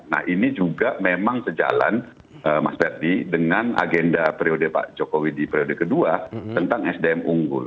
nah ini juga memang sejalan mas ferdi dengan agenda periode pak jokowi di periode kedua tentang sdm unggul